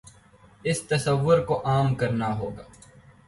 اس تصور کو عام کرنا ہو گا۔